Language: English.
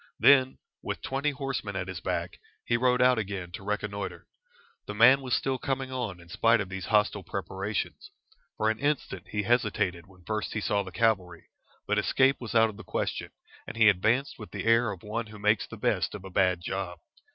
Then, with twenty horsemen at his back, he rode out again to reconnoitre. The man was still coming on in spite of these hostile preparations. For an instant he hesitated when first he saw the cavalry, but escape was out of the question, and he advanced with the air of one who makes the best of a bad job.